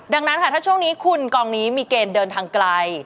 ดังนั้นค่ะถ้าช่วงนี้คุณกองนี้มีเกณฑ์เดินทางไกล